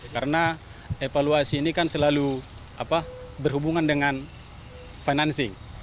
karena evaluasi ini kan selalu berhubungan dengan financing